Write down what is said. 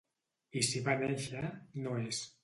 I si va néixer, no és.